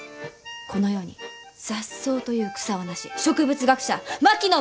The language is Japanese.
この世に雑草という草はなし植物学者槙野